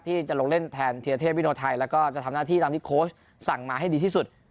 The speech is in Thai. ที่จะลงเล่นแทนเทียเทพวิโนไทยแล้วก็จะทำหน้าที่ตามที่โค้ชสั่งมาให้ดีที่สุด